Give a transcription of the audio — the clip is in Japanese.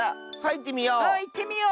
いってみよう。